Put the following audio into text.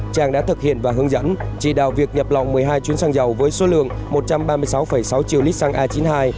trang đã thực hiện và hướng dẫn chỉ đạo việc nhập lòng một mươi hai chuyến xăng dầu với số lượng một trăm ba mươi sáu sáu triệu lít xăng a chín mươi hai